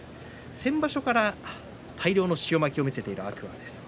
先場所から大量の塩まきを見せている天空海。